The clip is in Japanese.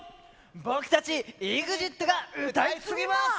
僕たちＥＸＩＴが歌い継ぎます。